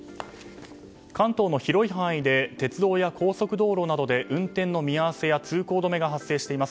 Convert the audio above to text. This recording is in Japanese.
関東の広い範囲で鉄道や高速道路などで運転の見合わせや通行止めが発生しています。